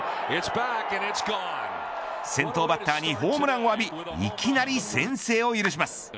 先頭バッターにホームランを浴びいきなり先制を許します。